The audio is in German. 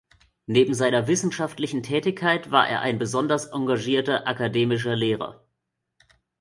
Neben seiner wissenschaftlichen Tätigkeit war er ein besonders engagierter akademischer Lehrer.